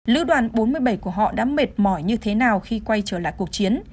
lữ đoàn bốn mươi bảy của họ đã mệt mỏi như thế nào khi quay trở lại cuộc chiến